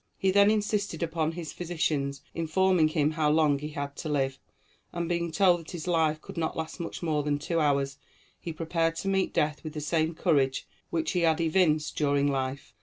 He then insisted upon his physicians informing him how long he had to live, and being told that his life could not last much more than two hours, he prepared to meet death with the same courage which he had evinced during life.